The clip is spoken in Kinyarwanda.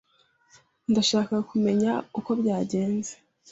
Ndashaka kumenya uko byagenze.